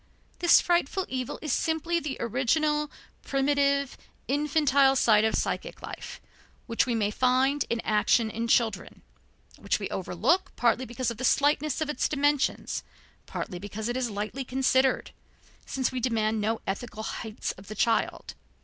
This frightful evil is simply the original, primitive, infantile side of psychic life, which we may find in action in children, which we overlook partly because of the slightness of its dimensions, partly because it is lightly considered, since we demand no ethical heights of the child.